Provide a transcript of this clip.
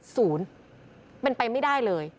ศูนย์เป็นไปไม่ได้เลย